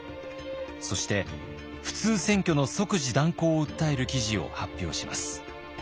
そして普通選挙の即時断行を訴える記事を発表します。